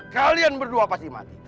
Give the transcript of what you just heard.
kalian berdua pasti mati